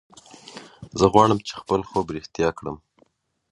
زه غواړم چې خپل خوب رښتیا کړم